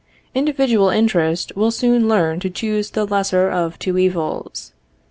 Individual interest will soon learn to choose the lesser of two evils.